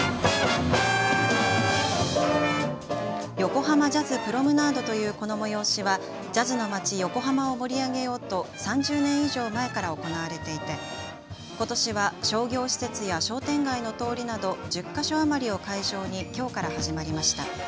横濱ジャズプロムナードというこの催しはジャズの街、横浜を盛り上げようと３０年以上前から行われていてことしは商業施設や商店街の通りなど１０か所余りを会場にきょうから始まりました。